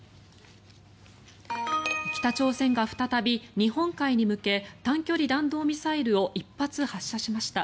北朝鮮が再び日本海に向け短距離弾道ミサイルを１発発射しました。